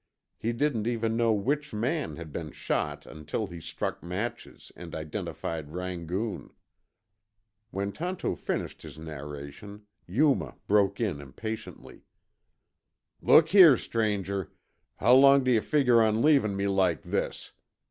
He didn't even know which man had been shot until he struck matches and identified Rangoon. When Tonto finished his narration, Yuma broke in impatiently. "Look here, stranger, how long d'yuh figger on leavin' me like this?